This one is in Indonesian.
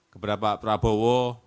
kepada pak prabowo